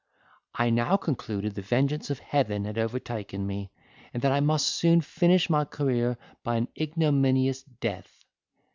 I now concluded the vengeance of Heaven had overtaken me, and that I must soon finish my career by an ignominious death.